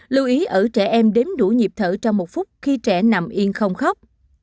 lưu ý ở trẻ em đến đủ nhịp thở trong một phút khi trẻ nằm yên không khóc